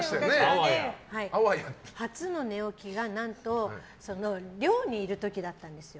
初の寝起きが寮にいる時だったんですよ。